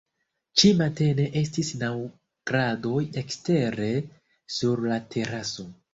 Ĉi-matene estis naŭ gradoj ekstere sur la teraso.